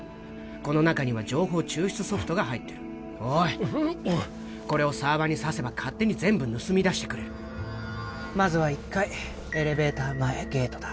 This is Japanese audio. この中には情報抽出ソフトが入ってるおいこれをサーバーに挿せば勝手に全部盗み出してくれるまずは１階エレベーター前ゲートだ